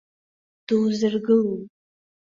Дузыргылом.